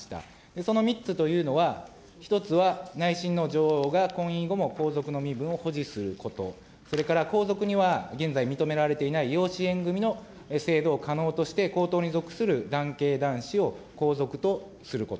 その３つというのは、１つは、内親王・女王が婚姻後も皇族の身分を保持すること、それから皇族には現在、認められていない養子縁組みの制度を可能として、皇統に属する男系男子を皇族とすること。